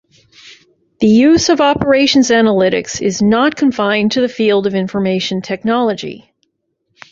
The use of operations analytics is not confined to the field of information technology.